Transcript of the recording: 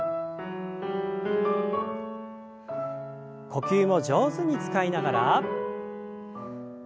呼吸を上手に使いながら。